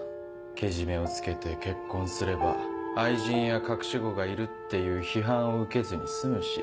ケジメをつけて結婚すれば愛人や隠し子がいるっていう批判を受けずに済むし。